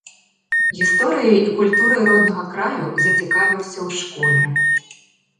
Гісторыяй і культурай роднага краю зацікавіўся ў школе.